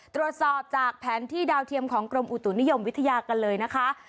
ตรวจสอบจากแผนที่ดาวเทียมของกรมอุตุนิยมวิทยากันเลยนะคะ